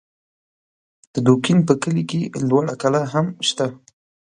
د دوکین په کلي کې لوړه کلا هم سته